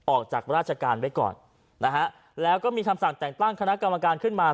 ออกจากราชการไว้ก่อนนะฮะแล้วก็มีคำสั่งแต่งตั้งคณะกรรมการขึ้นมา